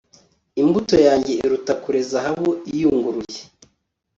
imbuto yanjye iruta kure zahabu iyunguruye